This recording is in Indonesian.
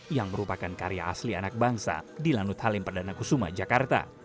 yang merupakan karya asli anak bangsa di lanut halim perdana kusuma jakarta